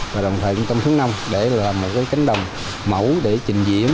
và đồng thời cũng tâm thức nông để làm một cái cánh đồng mẫu để trình diễn